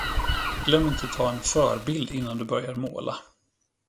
Glöm inte att ta en ”förebild” innan du börjar måla!